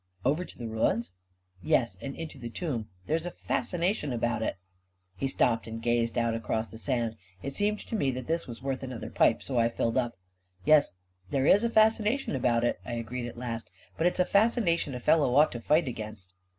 "Over to the ruins?" " Yes, and into the tomb — there's a fascination about it ..." He stopped and gazed out across the sand. It seemed to me that this was worth another pipe, so I filled up. " Yes, there is a fascination about it," I agreed at last, "but it's a fascination a fellow ought to fight against